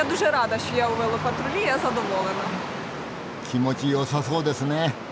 気持ちよさそうですね。